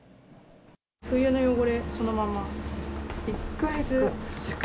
冬の汚れ、そのままですか？